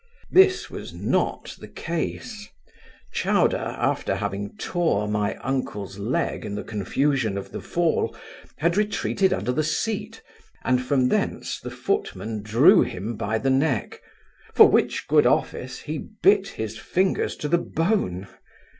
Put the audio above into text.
This was not the case Chowder, after having tore my uncle's leg in the confusion of the fall, had retreated under the scat, and from thence the footman drew him by the neck; for which good office, he bit his fingers to the bone.